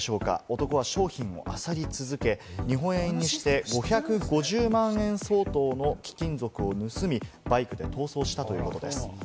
男は商品を漁り続け、日本円にして５５０万円相当の貴金属を盗み、バイクで逃走したということです。